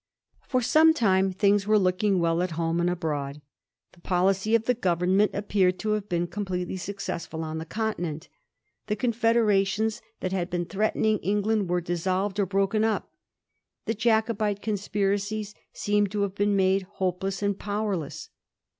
For some time things were looking well at home and abroad. The policy of the Government appeared to have been completely successful on the Continent. The confederations that had been threatening Eng land were dissolved or broken up ; the Jacobite conspiracies seemed to have been made hopeless and powerless.